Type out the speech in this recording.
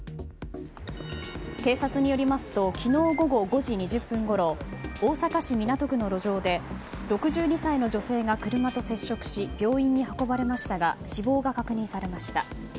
警察によりますと昨日午後５時２０分ごろ大阪市港区の路上で６２歳の女性が車と接触し病院に運ばれましたが死亡が確認されました。